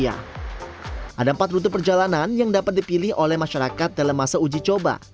ada empat rute perjalanan yang dapat dipilih oleh masyarakat dalam masa uji coba